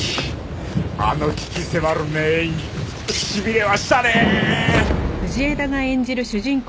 あの鬼気迫る名演技しびれましたね！